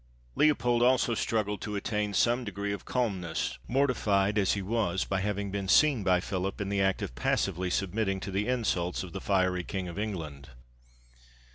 Leopold also struggled to attain some degree of calm^ ness, mortified as he was by having been seen by Philip in the act of passively submitting to the insults of the fiery King of England.